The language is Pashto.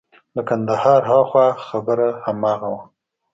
له کندهاره هاخوا هم خبره هماغه وه.